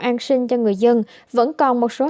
an sinh cho người dân vẫn còn một số